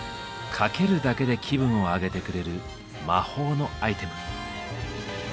かけるだけで気分を上げてくれる「魔法のアイテム」。